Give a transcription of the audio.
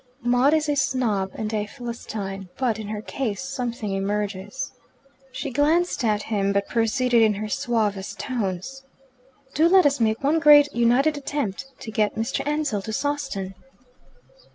"Maud is a snob and a Philistine. But, in her case, something emerges." She glanced at him, but proceeded in her suavest tones, "Do let us make one great united attempt to get Mr. Ansell to Sawston."